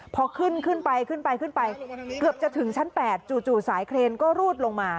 พอขึ้นขึ้นไปเกือบจะถึงชั้นแปดจู๋สายเคลนก็รูดลงมา